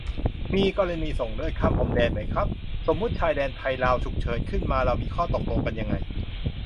มีกรณีส่งเลือดข้ามพรมแดนไหมครับ สมมติชายแดนไทย-ลาว ฉุกเฉินขึ้นมาเรามีข้อตกลงกันยังไง